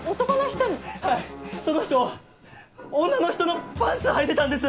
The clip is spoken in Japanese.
はいその人女の人のパンツはいてたんです！